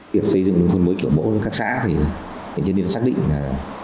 việc xây dựng nông thôn mới kiểu mẫu cho các xã thì trấn yên xác định là